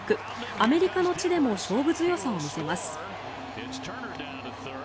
アメリカの地でも勝負強さを見せます。